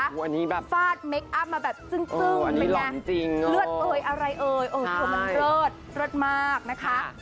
อันนี้แบบฟาดเมคอัพมาแบบจึ้งเลยนะอันนี้หล่อนจริงโอ้โหเลือดเบยอะไรเอ่ยโอ้โหเธอมันเลิศเลิศมากนะคะ